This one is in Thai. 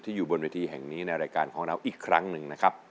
อยู่บนเวทีแห่งนี้ในรายการของเราอีกครั้งหนึ่งนะครับ